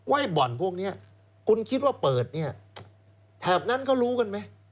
ว่าบ่อนพวกนี้คุณคิดว่าเปิดแถบนั้นก็รู้กันไหม